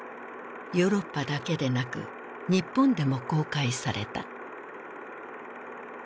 ヨーロッパだけでなく日本でも公開された。